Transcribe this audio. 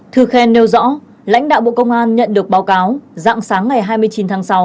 thư khen nêu rõ lãnh đạo bộ công an nhận được báo cáo dạng sáng ngày hai mươi chín tháng sáu